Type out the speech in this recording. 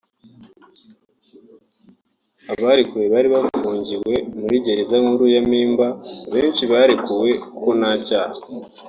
Abarekuwe bari bafungiwe muri gereza nkuru ya Mpimba benshi barekuwe kuko nta cyaha